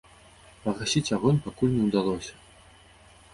Пагасіць агонь пакуль не ўдалося.